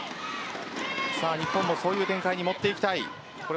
日本もそういう展開に持っていきたい。